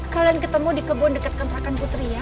kalian ketemu di kebun dekat kontrakan putri ya